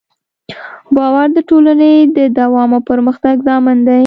باور د ټولنې د دوام او پرمختګ ضامن دی.